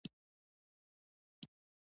ډيپلومات د نړېوالو سره د همکارۍ ملاتړ کوي.